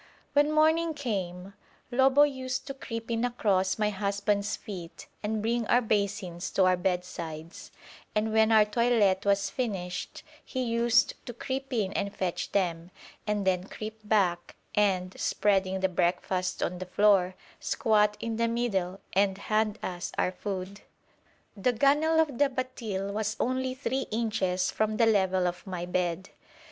When morning came, Lobo used to creep in across my husband's feet and bring our basins to our bed sides, and when our toilette was finished he used to creep in and fetch them, and then creep back, and, spreading the breakfast on the floor, squat in the middle and hand us our food. The gunwale of the batil was only three inches from the level of my bed.